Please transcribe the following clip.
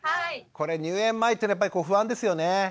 これ入園前っていうのはやっぱり不安ですよね？